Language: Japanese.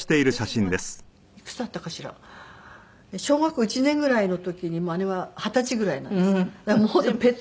小学校１年ぐらいの時に姉は二十歳ぐらいなんですね。